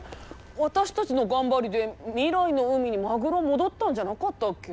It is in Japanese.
私たちの頑張りで未来の海にマグロ戻ったんじゃなかったっけ？